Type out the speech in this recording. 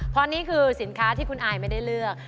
เพราะนี่คือสินค้าที่คุณอายไม่ได้เลือก